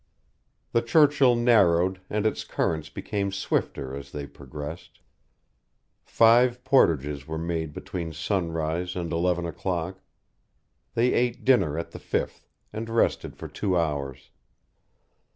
The Churchill narrowed and its current became swifter as they progressed. Five portages were made between sunrise and eleven o'clock. They ate dinner at the fifth, and rested for two hours.